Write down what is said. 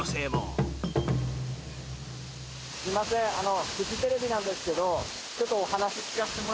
すいませんあの。